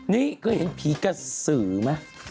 นี่ก็เห็นผีกระสือเหมือนกัน